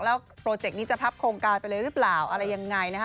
แล้วโปรเจกต์นี้จะพับโครงการไปเลยหรือเปล่าอะไรยังไงนะคะ